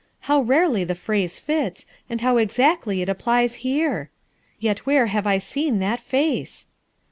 "How rarely the phrase fits, and how exactly it ap plies here. Yet where before have I seen that face?"